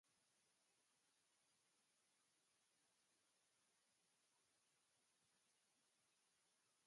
Normalki plater batean almendra zuritu eta turroiarekin batera jartzen da.